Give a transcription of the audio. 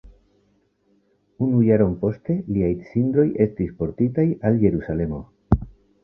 Unu jaron poste liaj cindroj estis portitaj al Jerusalemo.